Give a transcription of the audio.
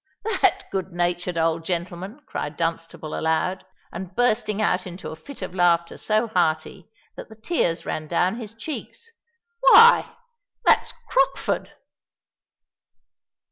"That good natured old gentleman!" cried Dunstable, aloud, and bursting out into a fit of laughter so hearty that the tears ran down his cheeks: "why—that's Crockford!"